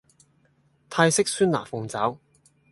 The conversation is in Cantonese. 泰式酸辣鳳爪